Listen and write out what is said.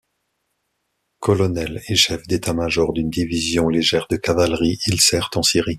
Colonel et chef d'état-major d'une Division Légère de Cavalerie, il sert en Syrie.